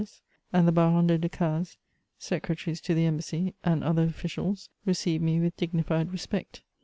us and the Baron de Decazes, secretaries to the embassy, and other officials, received me with dignified respect.